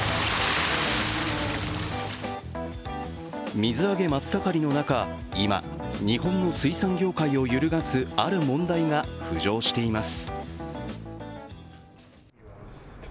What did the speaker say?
水揚げ真っ盛りの中、今日本の水産業界を揺るがすある問題が浮上しています。